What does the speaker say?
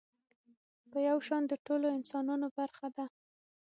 په يو شان د ټولو انسانانو برخه ده.